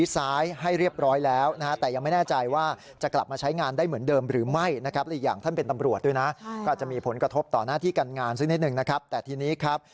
ซึ่งนิดหนึ่งนะครับแต่ทีนี้ครับ